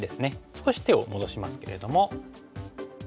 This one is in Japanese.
少し手を戻しますけれども。